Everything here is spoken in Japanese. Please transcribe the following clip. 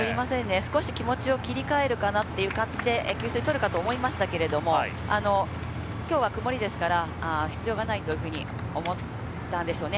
少し気持ちを切り替えるかなという感じで給水を取るかと思いましたけれども、きょうは曇りですから、必要がないというふうに思ったんでしょうね。